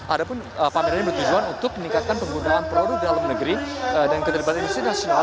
ada pun pameran ini bertujuan untuk meningkatkan penggunaan produk dalam negeri dan keterlibatan industri nasional